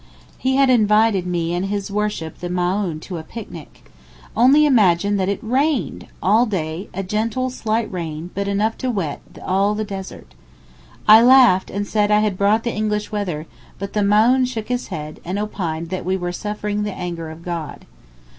He had invited me and 'his worship' the Maōhn to a picnic. Only imagine that it rained! all day, a gentle slight rain, but enough to wet all the desert. I laughed and said I had brought English weather, but the Maōhn shook his head and opined that we were suffering the anger of God.